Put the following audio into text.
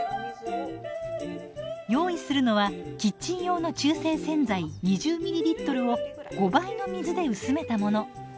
用意するのはキッチン用の中性洗剤２０ｍｌを５倍の水で薄めたもの。